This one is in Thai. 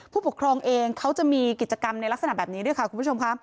ผู้ปกครองเองเขาจะมีกิจกรรมในลักษณะแบบนี้ด้วยค่ะคุณผู้ชมค่ะ